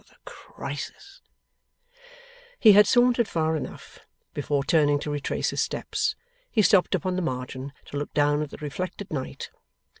The crisis!' He had sauntered far enough. Before turning to retrace his steps, he stopped upon the margin, to look down at the reflected night.